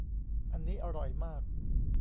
อันนี้อร่อยมาก